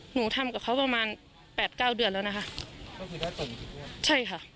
หนูทำกับเขาประมาณแปดเก้าเดือนแล้วนะคะ